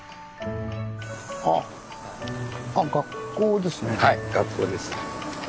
あはい学校です。